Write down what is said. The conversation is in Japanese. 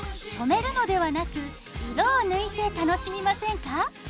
染めるのではなく色を抜いて楽しみませんか。